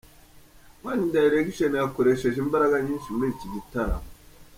One Direction yakoresheje imbaraga nyinshi muri iki gitaramo.